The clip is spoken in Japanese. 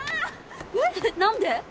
えっ何で？